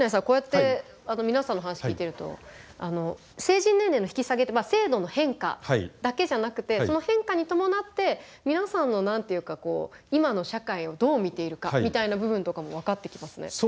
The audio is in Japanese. こうやって皆さんの話聞いてると成人年齢の引き下げって制度の変化だけじゃなくてその変化に伴って皆さんの何て言うかこう今の社会をどう見ているかみたいな部分とかも分かってきますね。